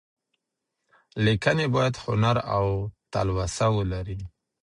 ليکنې بايد هنر او تلوسه ولري.